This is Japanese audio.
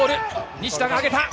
西田が上げた。